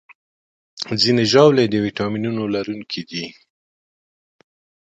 ځینې ژاولې د ویټامینونو لرونکي دي.